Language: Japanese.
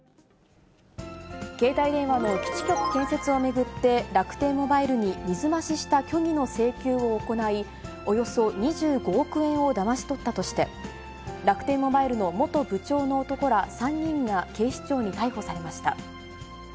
携帯電話の基地局建設を巡って、楽天モバイルに水増しした虚偽の請求を行い、およそ２５億円をだまし取ったとして、楽天モバイルの元部長の男ら３人が警視庁に逮捕されました。